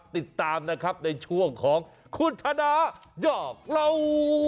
ติดตามนะครับในช่วงของคุณธนายอกเหล่า